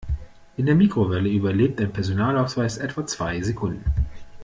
In der Mikrowelle überlebt ein Personalausweis etwa zwei Sekunden.